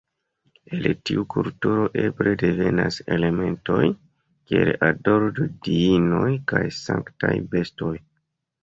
El tiu kulturo eble devenas elementoj kiel adoro de diinoj kaj sanktaj bestoj.